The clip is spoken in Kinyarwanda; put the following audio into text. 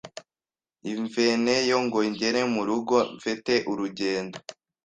imveneyo ngo ngere mu rugo mfete urugendo